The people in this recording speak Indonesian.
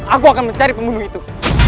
aku akan mencari pembunuh itu